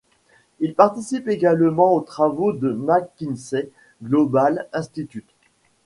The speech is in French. Il participe également aux travaux du McKinsey Global Institute.